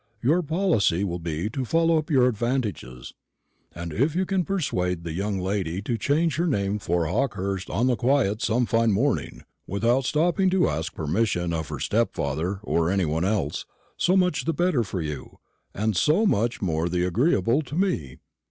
Your policy will be to follow up your advantages; and if you can persuade the young lady to change her name for Hawkehurst on the quiet some fine morning, without stopping to ask permission of her stepfather, or any one else, so much the better for you, and so much the more agreeable to me.